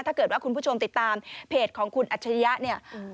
ถ้าเกิดว่าคุณผู้ชมติดตามเพจของคุณอัจฉริยะเนี่ย